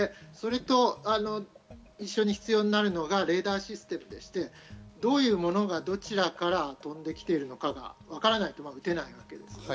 それと一緒に必要になるのがレーダーシステムでして、どういうものがどちらから飛んできているのかがわからないと撃てないわけです。